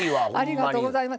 ありがとうございます。